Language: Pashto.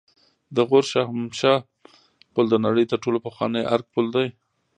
د غور شاهمشه پل د نړۍ تر ټولو پخوانی آرک پل دی